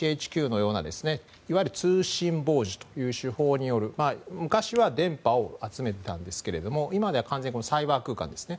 あとはＧＣＨＱのようないわゆる通信傍受という手法による昔は電波を集めていたんですが今では完全にサイバー空間ですね。